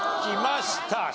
きました。